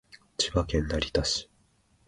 千葉県成田市